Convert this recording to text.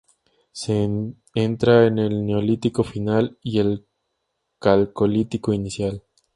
Se entra en el Neolítico final y el calcolítico inicial.